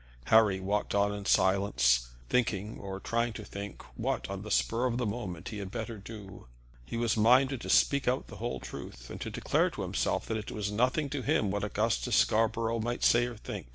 Harry walked on in silence, thinking, or trying to think, what, on the spur of the moment, he had better do. He was minded to speak out the whole truth, and declare to himself that it was nothing to him what Augustus Scarborough might say or think.